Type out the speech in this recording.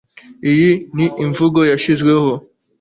Iyi ni imvugo yashizweho